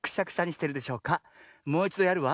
もういちどやるわ。